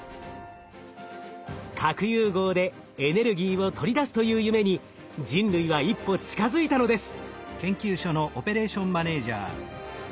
核融合でエネルギーを取り出すという夢に人類は一歩近づいたのです。